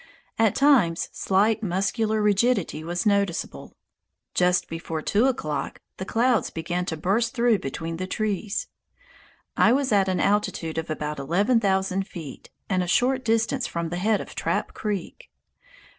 At times slight muscular rigidity was noticeable. Just before two o'clock the clouds began to burst through between the trees. I was at an altitude of about eleven thousand feet and a short distance from the head of Trap Creek.